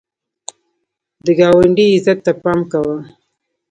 د ګاونډي عزت ته پام کوه